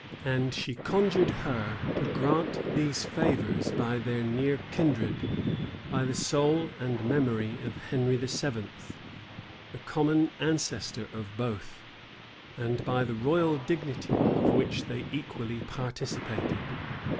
And she conjured her to grant these favors by their near kindred; by the soul and memory of Henry VII., the common ancestor of both; and by the royal dignity of which they equally participated.